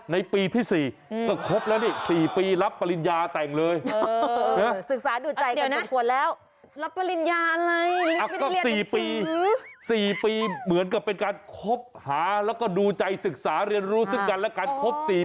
ในปีที่๔ก็ครบแล้วนี่